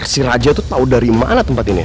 si raja tuh tau dari mana tempat ini ya